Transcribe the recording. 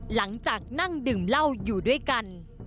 หลังจากนั่งดื่มเหล้าอยู่ด้วยกัน